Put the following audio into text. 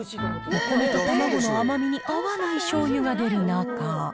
お米と卵の甘みに合わない醤油が出る中。